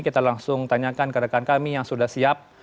kita langsung tanyakan ke rekan kami yang sudah siap